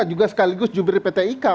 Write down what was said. juga sekaligus jubir pt ika